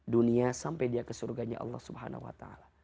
dunia sampai dia ke surganya allah swt